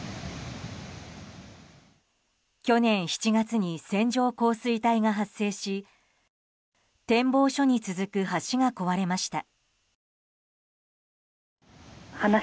去年７月に線状降水帯が発生し展望所に続く橋が壊れました。